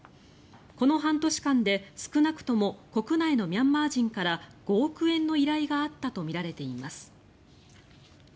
この半年間で、少なくとも国内のミャンマー人から５億円の依頼があったとみられています。